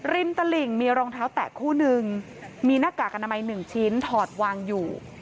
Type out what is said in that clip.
ตลิ่งมีรองเท้าแตะคู่นึงมีหน้ากากอนามัยหนึ่งชิ้นถอดวางอยู่